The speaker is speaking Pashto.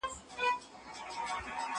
زه کتابتون ته راتګ کړی دی؟